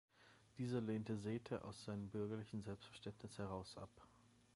Diese lehnte Sethe aus seinem bürgerlichen Selbstverständnis heraus ab.